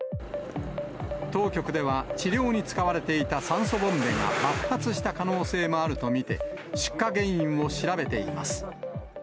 当局では治療に使われていた酸素ボンベが爆発した可能性もあると見て、出火原因を調べています。